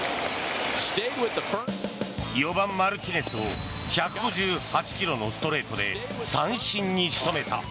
４番、マルティネスを１５８ｋｍのストレートで三振に仕留めた。